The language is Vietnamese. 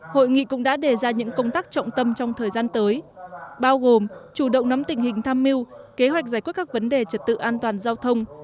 hội nghị cũng đã đề ra những công tác trọng tâm trong thời gian tới bao gồm chủ động nắm tình hình tham mưu kế hoạch giải quyết các vấn đề trật tự an toàn giao thông